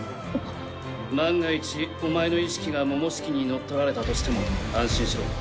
万が一お前の意識がモモシキに乗っ取られたとしても安心しろ。